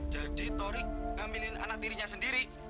jadi torik ngamilin anak dirinya sendiri